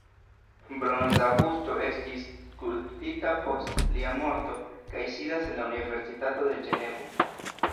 Bronza busto estis skulptita post lia morto kaj sidas en la "Universitato de Ĝenevo".